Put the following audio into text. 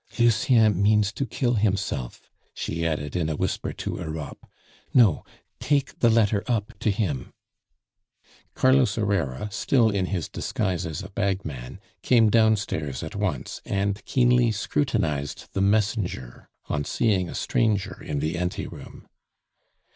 "Lucien means to kill himself," she added in a whisper to Europe. "No, take the letter up to him." Carlos Herrera, still in his disguise as a bagman, came downstairs at once, and keenly scrutinized the messenger on seeing a stranger in the ante room.